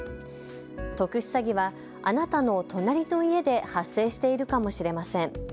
特殊詐欺はあなたの隣の家で発生しているかもしれません。